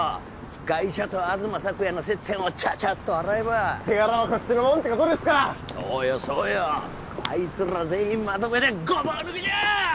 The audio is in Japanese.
ガイシャと東朔也の接点をちゃちゃっと洗えば手柄はこっちのもんってことですかそうよそうよあいつら全員まとめてごぼう抜きじゃ！